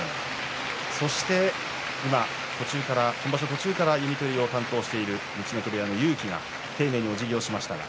そして今場所途中から弓取りを担当している陸奥部屋の勇輝が丁寧に弓取りをしました。